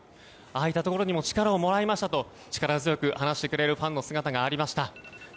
ああいったところにも力をもらいましたと力強く話してくれるファンの姿がありました。